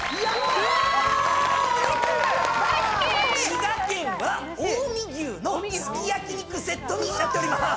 滋賀県は近江牛のすき焼き肉セットになってまーす。